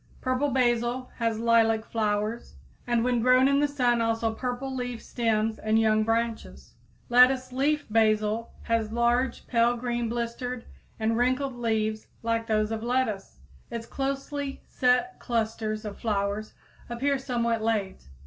Purple basil has lilac flowers, and when grown in the sun also purple leaf stems and young branches. Lettuce leaved basil has large, pale green blistered and wrinkled leaves like those of lettuce. Its closely set clusters of flowers appear somewhat late.